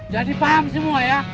jadi paham semua ya